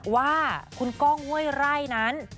ว่าคุณก้องห้วยไร่นั้น